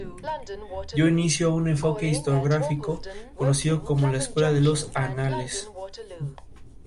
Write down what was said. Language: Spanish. Usualmente estos misiles son capaces de transportar cabezas nucleares.